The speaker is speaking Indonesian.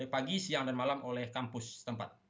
pagi siang dan malam oleh kampus tempat